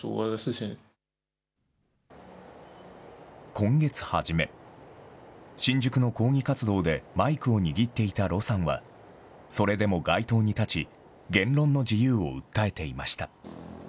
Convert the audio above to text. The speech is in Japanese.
今月初め、新宿の抗議活動でマイクを握っていた盧さんは、それでも街頭に立ち、言論の自由を訴えていました。